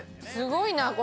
すごいな。